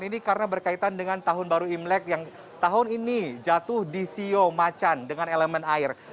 ini karena berkaitan dengan tahun baru imlek yang tahun ini jatuh di sio macan dengan elemen air